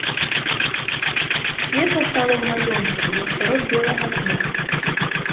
Светла стала ў маёнтку, як сярод белага дня.